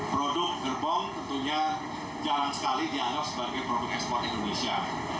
produk gerbong tentunya jarang sekali dianggap sebagai produk ekspor indonesia